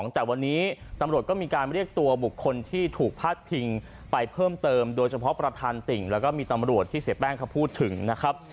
แต่วันนี้ตำรวจก็มีการเรียกตัวบุคคลที่ถูกพาดพิงไปเพิ่มเติมโดยเฉพาะประธานติ่งแล้วก็มีตำรวจที่เสียแป้งเขาพูดถึงนะครับ